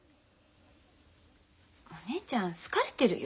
お姉ちゃん好かれてるよ。